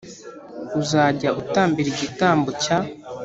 Uzajya utambira igitambo cya